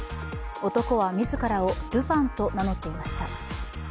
男は自らをルパンと名乗っていました。